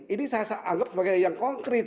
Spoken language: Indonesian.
ini saya anggap sebagai yang konkret